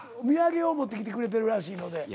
土産を持ってきてくれてるらしいので。